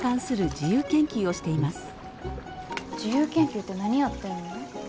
自由研究って何やってんの？